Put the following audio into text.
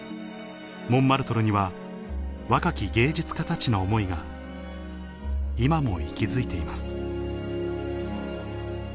モンマルトルには若き芸術家たちの思いが今も息づいています